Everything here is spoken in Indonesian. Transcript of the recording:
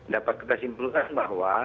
dapat kita simpulkan bahwa